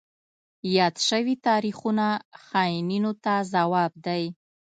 یاد شوي تاریخونه خاینینو ته ځواب دی.